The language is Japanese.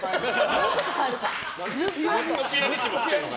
もうちょっと買えるか。